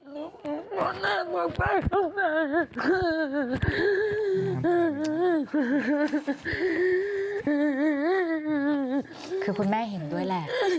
ไม่ได้ไม่ได้คุณแม่เห็นด้วยแหละ